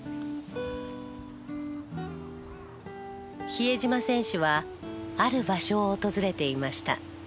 比江島選手はある場所を訪れていました。